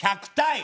１００対。